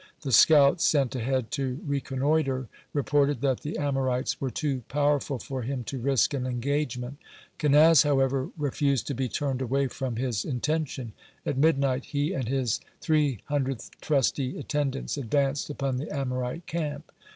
The scouts sent ahead to reconnoitre reported that the Amorites were too powerful for him to risk an engagement. Kenaz, however, refused to be turned away from his intention. At midnight he and his three hundred trusty attendants advanced upon the Amorite camp.